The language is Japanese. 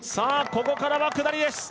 ここからは下りです